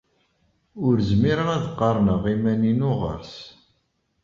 Ur zmireɣ ad qarneɣ iman-inu ɣer-s.